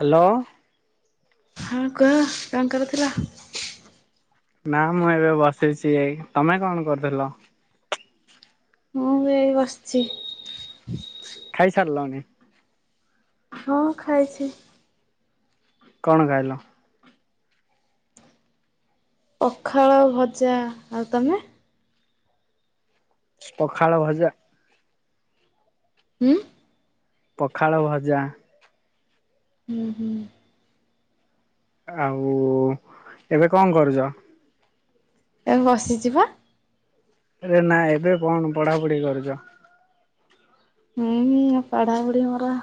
Hello. ହଁ, କୁହ କଣ କରୁଥିଲ? ନା, ମୁଁ ଏବେ ବସିଛି। ତମେ କଣ କରୁଥିଲ? ମୁଁ ବି ଏଇ ବସିଛି। ଖାଇସାରିଲଣି? ହଁ, ଖାଇଛି। କଣ ଖାଇଲ? ପଖାଳ, ଭଜା। ଆଉ ତମେ? ପଖାଳ, ଭଜା? ହୁଁ ପଖାଳ, ଭଜା। ହୁଁ, ହୁଁ। ଆଉ ଏବେ କଣ କରୁଛ? ଏ ବସିଛି ପା। ଏ ନା, ଏବେ କଣ ପଢାପଢି କରୁଛ? ହୁଁ, ପଢାପଢି ମୋର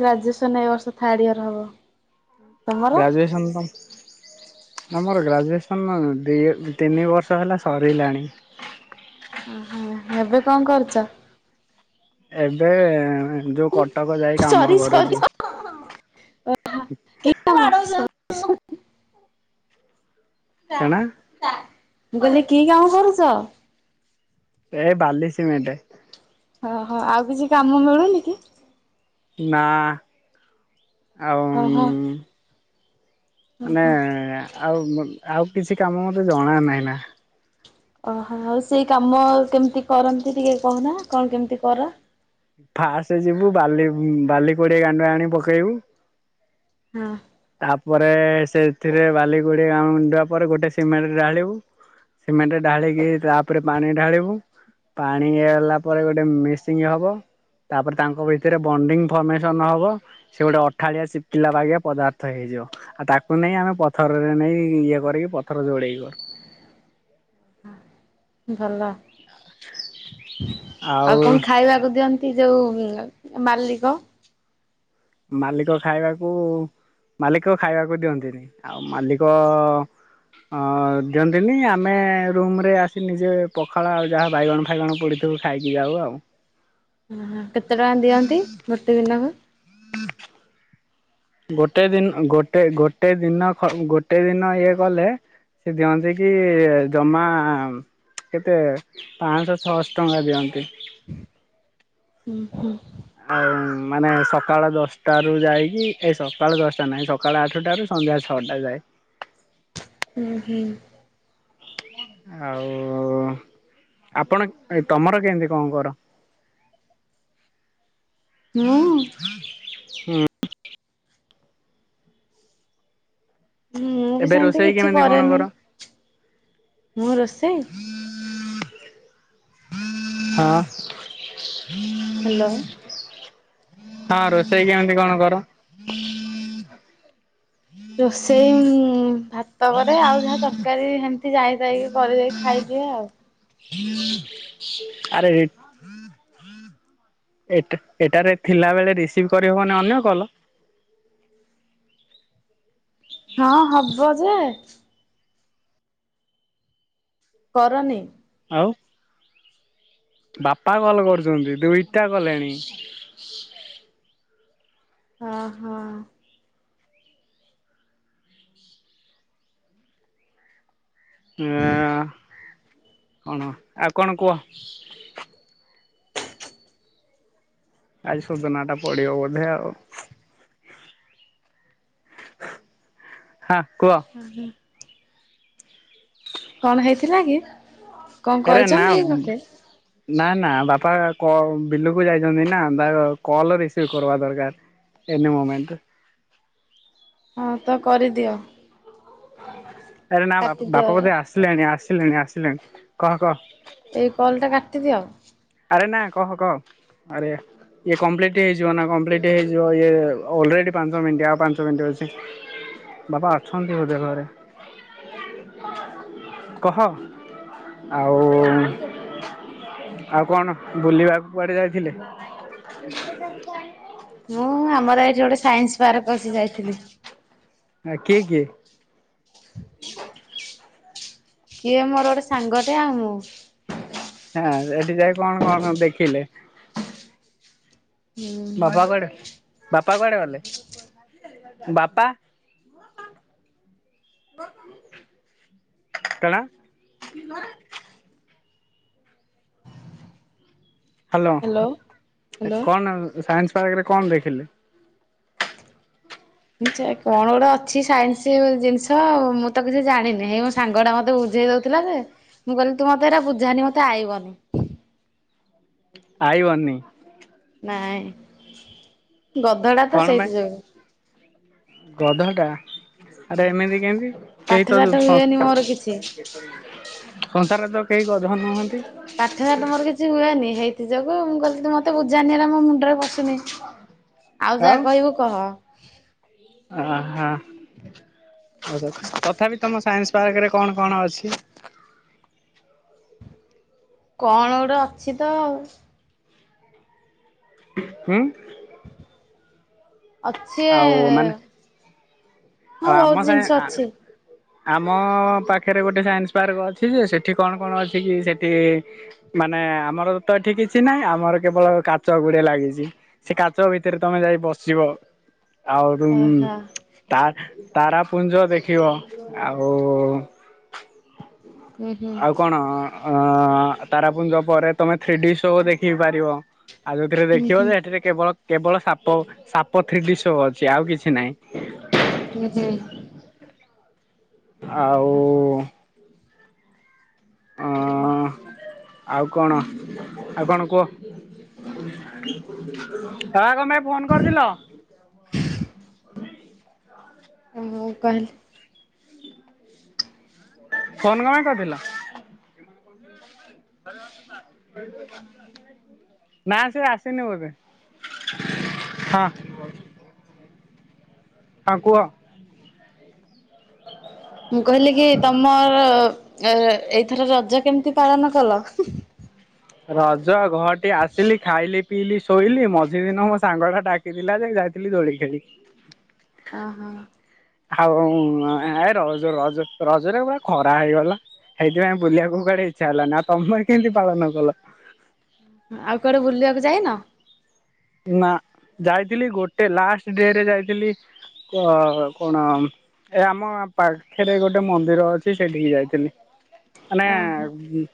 ଗ୍ରାଜୁଏସନ୍ ଏ ବର୍ଷ ଥାର୍ଡ଼ ଇୟର ହେବ। ଗ୍ରାଜୁଏସନ୍ ତ ଆମର ଗ୍ରାଜୁଏସନ ଦି ତିନି ବର୍ଷ ହେଲା ସରିଲାଣି। ଓହୋ। ଏବେ କଣ କରୁଛ? ଏବେ ଯୋଉ କଟକ ଯାଇ କାମ କରୁଛି। [unintelligible] [inaudible] [unintelligible] ମୁଁ କହିଲି କି କାମ କରୁଛ? ଏ ବାଲି ସିମେଣ୍ଟ। ଓହୋ। ଆଉ କିଛି କାମ ମିଳୁନି କି? ନା, ଆଉ ଓହୋ ଓହୋ ମାନେ ଆଉ ଆଉ କିଛି କାମ ମତେ ଜଣା ନାହିଁ ନା। ଓହୋ ଆଉ ସେଇ କାମ କେମିତି କରନ୍ତି ଟିକେ କହୁନ କଣ କେମିତି କର? ଫାଷ୍ଟ ଯିବୁ ବାଲି ବାଲି କୋଡିଏ ଗାଣ୍ଡୁଆ ଆଣି ପକେଇବୁ। ହଁ। ତାପରେ ସେଥିରେ ବାଲି ଗୁଡି ଗାଣ୍ଡୁଆ ପରେ ଗୋଟେ ସିମେଣ୍ଟ ଢାଳିବୁ। ସିମେଟେ ଢାଳିକି ତାପରେ ପାଣି ଢାଳିବୁ। ପାଣି ହେଲା ପରେ ଗୋଟେ ମେସିଂ ହବ। ତାପରେ ତାଙ୍କ ଭିତରେ ବଣ୍ଡିଙ୍ଗ ଫର୍ମେସନ ହବ ସେ ଗୋଟେ ଅଠାଳିଆ ଚିପିକିଲା ବାଗିଆ ପଦାର ଥ ହେଇଯିବ ଆଉ ତାକୁ ନେଇ ଆମେ ପଥରରେ ନେଇ ଇଏ କରିକି ପଥର ଯୋଡ଼େଇ କରୁ। ଭଲ ଆଉ କଣ ଖାଇବାକୁ ଦିଅନ୍ତି? ଯୋଉଁ ମାଲିକ? ମାଲିକ ଖାଇବାକୁ ମାଲିକ ଖାଇବାକୁ ଦିଅନ୍ତିନି। ଆଉ ମାଲିକ ଅଁ ଦିଅନ୍ତିନି ଆମେ ରୁମରେ ଆସି ନିଜେ ପଖାଳ ଆଉ ଯାହା ବାଇଗଣ ଫାଇଗଣ ପୋଡି ସବୁ ଖାଇକି ଯାଉ ଆଉ। ହଁ କେତେ ଟଙ୍କା ଦିଅନ୍ତି ଗୋଟେ ଦିନକୁ? ଗୋଟେ ଦିନ ଗୋଟେ ଗୋଟେ ଦିନ ଖ ଗୋଟେ ଦିନ ଇଏ କଲେ ସେ ଦିଅନ୍ତି କି ଜମା କେତେ ପାଞ୍ଚଶହ ଛଅଶହ ଟଙ୍କା ଦିଅନ୍ତି। ଉଁ ହୁଁ। ଆଉ ମାନେ ସକାଳ ଦଶଟାରୁ ଯାଇକି ଏ ସକାଳ ଦଶଟା ନାଇଁ ସକାଳ ଆଠଟାରୁ ସନ୍ଧ୍ୟା ଛଅଟା ଯାଏ। ଉଁ ହୁଁ। ଆଉ ଆପଣ ଏ ତମର କେମିତି କଣ କର? ହୁଁ। ହୁଁ। ମୁଁ ବି ଏବେ ସେମିତି ରୋଷେଇ କିଛି କେମିତି କଣ କରେନି କର? ମୁଁ ରୋଷେଇ ହଁ। ହ୍ୟାଲୋ ହଁ ରୋଷେଇ କେମିତି କଣ କର? ରୋଷେଇ ଭାତ କରେ ଆଉ ଯାହା ତର ତରକାରୀ ସେମିତି ଯାଇଥାଇକି କରିକି ଖାଇଦିଏ ଆଉ। ଆରେ ଏଟ ଏଟାରେ ଥିଲାବେଳେ ରିସିଭ କରିହବନା ଅନ୍ୟ କଲ୍? ହଁ ହବ ଯେ କରନି। ଆଉ ବାପା କଲ୍ କରୁଚନ୍ତି ଦୁଇଟା କଲେଣି। ହଁ ହଁ। ଅ କଣ ଆଉ କଣ କୁହ? ଆଜି ସୋଦନା ଟା ପଡିବ ବୋଧେ ଆଉ। ହାଁ କୁହ? କଣ ହେଇଥିଲା କି? କଣ ଆରେ ନା କରିଛନ୍ତି କି ଘରେ? ନା ନା ବାପା କ ବିଲକୁ ଯାଇଚନ୍ତି ନା ତାଙ୍କ କଲ ରିସିଭି କରବା ଦରକାର। ଏନି ମୋମେଣ୍ଟରେ। ହଁ ତ କରିଦିଅ। ଆରେ ନା ବା କାଟିଦିଅ ବାପ ବୋଧେ ଆସିଲେଣି ଆସିଲେଣି ଆସିଲେଣି କହ କହ। ଯେ କଲ୍ ଟା କାଟିଦିଅ। ଆରେ ନା କହ କହ ଆରେ ଇଏ କମ୍ପ୍ଲିଟ ହେଇଯିବ ନା କମ୍ପ୍ଲିଟ ହେଇଯିବ ଇଏ ଅଲେରେଡି ପାଞ୍ଚ ମିନିଟ୍ ଆଉ ପାଞ୍ଚ ମିନିଟ ଅଛି। ବାପା ଅଛନ୍ତି ବୋଧେ ଘରେ କହ ଆଉ ଆଉ କଣ ବୁଲିବାକୁ କୁଆଡେ ଯାଇଥିଲି। ମୁଁ ଆମର ଏଠି ଗୋଟେ ସାଇନ୍ସ ପାର୍କ ଅଛି ଯାଇଥିଲି। ଆ କିଏ କିଏ? କିଏ ମୋର ଗୋଟେ ସାଙ୍ଗଟେ ଆଉ ମୁଁ। ହଁ ସେଠି ଯାଇ କଣ କଣ ଦେଖିଲେ? ହୁଁ। ବାପା କୁଆଡେ ବାପା କୁଆଡେ ଗଲେ ବାପା କଣ [unintelligible] ହାଲୋ, ହ୍ୟାଲୋ ହ୍ୟାଲୋ। କଣ ସାଇନ୍ସ ପାର୍କରେ କଣ ଦେଖିଲେ? କଣ ଗୋଟେ ଅଛି ସାଇନ୍ସ ଜିନିଷ ମୁଁ ତ କିଛି ଜାଣିନି ହେଇ ମୋ ସାଙ୍ଗ ଟା ମତେ ବୁଝେଇଦଉ ଥିଲା ଯେ ମୁଁ କହିଲି ତୁ ମତେ ହେରା ବୁଝାନି ମତେ ଆଇବନି ଆଇବନି ନାଇଁ ଗଧ ଟା ତ ସେଇଥି ଯୋଗୁ ଗଧ ଟା ଆରେ ଏମିତି କେମିତି ପାଠ କେହି ତ ସାଠ ସଂ ହୁଏନି ମୋର କିଛି ସଂସାରରେ ତ କେହି ଗଧ ନୁହନ୍ତି। ପାଠ ଶାଠ ମୋର କିଛି ହୁଏନି ହେଇଥି ଯୋଗୁ ମୁଁ କହିଲି ମତେ ବୁଝାନି ହେରା ମୋ ମୁଣ୍ଡରେ ପଶୁନି ଆଉ ଯାହା କହିବୁ କହ। ଆ ହା ତଥାପି ତମ ସାଇନ୍ସ ପାର୍କରେ କଣ କଣ ଅଛି? କଣ ଗୋଟେ ଅଛି ତ ହୁଁ। ଅଛି ଏ ଆଉ ମାନେ ଆମ ସାଙ୍ଗେ ଆ [unintelligible] ଆମ ପାଖରେ ଗୋଟେ ସାଇନ୍ସ ପାର୍କ ଅଛି ଯେ ସେଠି କଣ କଣ ଅଛି କି ସେଠି ମାନେ ଆମର ତ ଏଠି କିଛି ନାହିଁ ଆମର କେବଳ କାଚ ଗୁଡେ ଲାଗିଛି। ସେ କାଚ ଭିତରେ ତମେ ଯାଇ ପସିବ ଆଉ ଡ଼ୁମ ଓହୋ ତା ତାରାପୁଞ୍ଜ ଦେଖିବ ଆଉ ହୁଁ ହୁଁ। ଆଉ କଣ ଅ ତାରାପୁଞ୍ଜ ପରେ ତମେ ଥ୍ରୀ ଡି ଶୋ ଦେଖି ପାରିବ। ଆଉ ଯୋଉଥିରେ ହୁଁ ଦେଖିବ ହୁଁ। ଯେ ସେଠିରେ କେବଳ ସାପ ସାପ ଥ୍ରୀ ଡି ଶୋ ଅଛି ଆଉ କିଛି ନାହିଁ। ନିଜେ ଆଉ ଅଁ ଅ ଆଉ କଣ ଆଉ କଣ କୁହ? ତା କଣ ପାଇଁ ଫୋନ କରିଥିଲ? ମୁଁ କହିଲି ଫୋନ କଣ ପାଇଁ କରିଥିଲ? [inaudible] ନା ସେ ଆସିନି ବୋଧେ ହଁ। ହଁ କୁହ। ମୁଁ କହିଲି କି ତମ ଏଇଥର ରଜ କେମିତି ପାଳନ କଲ? ରଜ ଘହଟି ଆସିଲି ଖାଇଲି ପିଇଲି ଶୋଇଲି ମଝି ଦିନ ମୋ ସାଙ୍ଗଟା ଡାକିଥିଲା ଯେ ଯାଇଥିଲି ଦୋଳି ଖେଳି [unintelligible] ଆଉ ଏ ରଜ ରଜ ରଜରେ ପା ଖରା ହେଇଗଲା। ସେଇଥିପାଇଁ ବୁଲିବାକୁ କୁଆଡେ ଇଚ୍ଛା ହେଲା ନା ଆ ତମେ କେମିତି ପାଳନ କଲ। ଆଉ କୁଆଡେ ବୁଲିବାକୁ ଯାଇନ? ନା ଯାଇଥିଲି ଗୋଟେ ଲାଷ୍ଟ ଡେରେ ଯାଇଥିଲି ଅ କଣ। ଏ ଆମ ପାଖରେ ଗୋଟେ ମନ୍ଦିର ଅଛି ସେଠିକି ଯାଇଥିଲି। ଓହୋ ମାନେ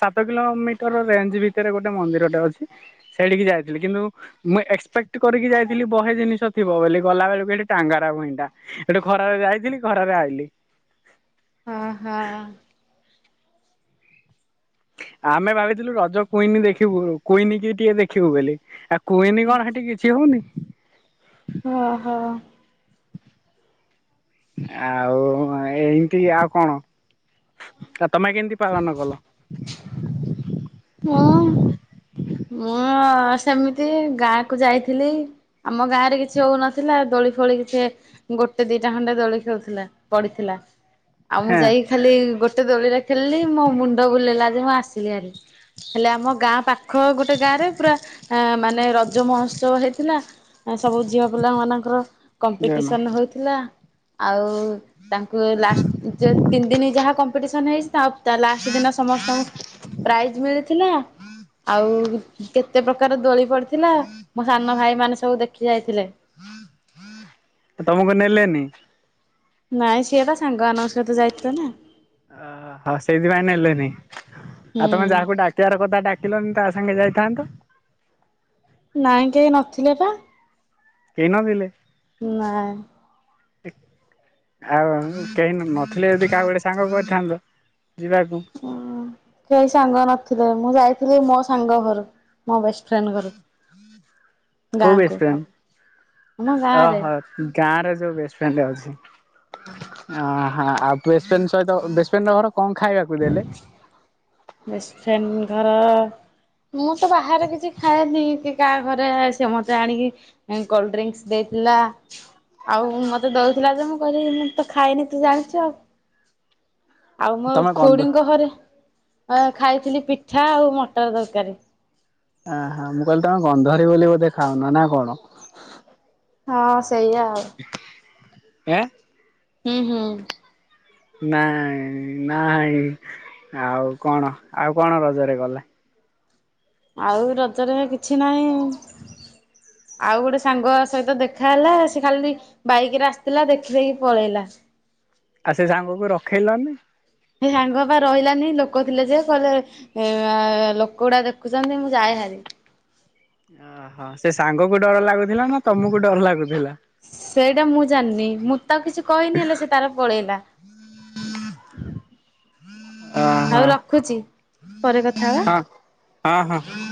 ସାତ କିଲୋମିଟର ରେଞ୍ଜ ଭିତରେ ଗୋଟେ ମନ୍ଦିରଟା ଅଛି ସେଠିକି ଯାଇଥିଲି। କିନ୍ତୁ ମୁଁ ଏକ୍ସପେକ୍ଟ କରିକି ଯାଇଥିଲି ବହେ ଜିନିଷ ଥିବ ବୋଲି ଗଲା ବେଳକୁ ଏଠି ଟାଙ୍ଗରା ଭୂଇଁଟା। ଏଠୁ ଖରାରେ ଯାଇଥିଲି ଖରାରେ ଆଇଲିି। ହଁ ହ। ଆମେ ଭାବିଥିଲୁ ରଜ କୁଇନି ଦେଖିବୁ କୁଇନି କି ଟିକେ ଦେଖିବୁ ବୋଲି ଆ। କ୍ୱିନ୍ କଣ ସେଠି କିଛି ହଉନି। [unintelligible] ଆଉ ଏମତି ଆଉ କଣ। ତମେ କେମିତି ପାଳନ କଲ? ହଁ। ମୁଁ ସେମିତି ଗାଁ କୁ ଯାଇଥିଲି। ଆମ ଗାଁରେ କିଛି ହଉନଥିଲା ଦୋଳି ଫୋଳି କିଛି। ଗୋଟେ ଦିଟା ଖଣ୍ଡେ ଦୋଳି ଖେଳୁଥିଲା ପଡିଥିଲା ଆଉ ମୁଁ ହେଁ ଯାଇକି ଖାଲି ଗୋଟେ ଦୋଳିରେ ଖେଳିଲି ମୋ ମୁଣ୍ଡ ବୁଲେଇଲା ଯେ, ମୁଁ ଆସିଲି ଆରି ହେଲେ ଆମ ଗାଁ ପାଖ। ପାଖ ଗୋଟେ ଗାଁ ରେ ପୁରା ମାନେ ରଜ ମହୋତ୍ସବ ହେଇଥିଲା। ସବୁ ଝିଅ ପିଲା ମାନଙ୍କର ଜୟ ମା କମ୍ପିଟିସନ ହଉଥିଲା ଆଉ। ତାଙ୍କୁ ଲାଷ୍ଟ ତିନି ଦିନ ଯାହା କମ୍ପିଟିସନ ହେଇ ଲାଷ୍ଟ ଦିନ ସମସ୍ତଙ୍କୁ ପ୍ରାଇଜ୍ ମିଳିଥିଲା। ଆଉ କେତେ ପ୍ରକାର ଦୋଳି ପଡିଥିଲା ମୋ ସାନ ଭାଇ ମାନେ ସବୁ ଦେଖି ଯାଇଥିଲେ। ତମକୁ ନେଲେନି? ନାଇଁ ସେ ତା ସାଙ୍ଗ ମାନଙ୍କ ସହ ଯାଇଥିଲା ନା। ଓହୋ ସେଇଥିପାଇଁ ନେଲେନି ହୁଁ ଆଉ ତମେ ଯାହାକୁ ଡାକିବାର କଥା ଡାକିଲନି ତା। ସାଙ୍ଗେ ଯାଇଥାଆନ୍ତ। ନାଇଁ କେହି ନଥିଲେ ପା। କେହି ନଥିଲେ? ନାଇଁ। [inaudible] ଆଉ କେହି ନଥିଲେ ଯଦି କାହା ଗୋଟେ ସାଙ୍ଗ କରିଥାନ୍ତ ଯିବାକୁ। ଉଁ ସେହି ସାଙ୍ଗ ନଥିଲେ ମୁଁ ଯାଇଥିଲି ମୋ ସାଙ୍ଗ ଘରକୁ। ମୋ ବେଷ୍ଟେ ଫ୍ରେଣ୍ଡ ଘରକୁ କୋଉ ବେଷ୍ଟ ଗାଁକୁ ଆମ ଗାଁ ରେ। ଗାଁରେ ଯୋଉ ଵେଷ୍ଟେ ଫ୍ରେଣ୍ଡ ଅଛି ଅ ହଁ। ବେଷ୍ଟ୍ ଫ୍ରିଏଣ୍ଡ ସହିତ ଘରେ କଣ ଖାଇବାକୁ ଦେଲେ। ବେସେ ଫ୍ରେଣ୍ଡ ଘର। ମୁଁ ତ ବାହାରେ କିଛି ଖାଏନି କି କାହା ଘରେ ସେ ମତେ ଆଣିକି। କୋଲ୍ଡଡ୍ରିଙ୍କସ୍ ଦେଇଥିଲା। ଆଉ ମତେ ଦଉଥିଲା ଯେ ମୁଁ କହିବି ମୁଁ ତ ଖାଇନି ତୁ ଜାଣିଛୁ ଆଉ। ଆଉ ତମେ ଗନ୍ଧ ତାଙ୍କ ଘରେ ଖାଇଥିଲି ପିଠା ଆଉ ମଟର ତରକାରୀ। ଆ ହଁ ମୁଁ କହିଲି ତମେ ଗନ୍ଧରୀ ବୋଲି ଖାଉନ ନା କଣ? ହଁ ସେଇଆ ଆଉ। [unintelligible] ହୁଁ ହୁଁ। ନାହିଁ ନାହିଁ ଆଉ କଣ ଆଉ କଣ ରଜରେ ଗଲେ। ଆଉ ରଜରେ କିଛି ନାହିଁ ଆଉ ଗୋଟେ ସାଙ୍ଗ ସହିତ ଦେଖା ହେଲା ସେ ଖାଲି ବାଇକ ରେ ଆସିଥିଲା ଦେଖିଦେଇକି ପଳେଇଲା। ଆଉ ସେ ସାଙ୍ଗକୁ ରଖେଇଲନି। ସେ ସାଙ୍ଗ ବା ରହିଲାନି ଲୋକ ଥିଲେ ଯେ କହିଲେ ଲୋକ ଗୁଡା ଦେଖୁଛନ୍ତି ମୁଁ ଯାଏ ହେରି। ଓହୋ ସେ ସାଙ୍ଗକୁ ଡର ଲାଗୁଥିଲା ନା ତମକୁ ଡର ଲାଗୁଥିଲା। ସେଇଟା ମୁଁ ଜାଣିନି ମୁଁ ତାକୁ କିଛି କହିନି ହେଲେ ସେ ତାର ପଳେଇଲା। ଓହୋ ଆଉ ରଖୁଛି ପରେ କଥା ହବା। ହଁ ହଁ ହଁ।